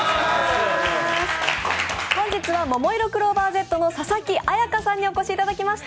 本日はももいろクローバーＺの佐々木彩夏さんにお越しいただきました。